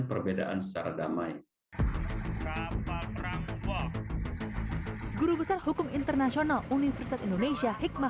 perbedaan secara damai guru besar hukum internasional universitas indonesia hikmah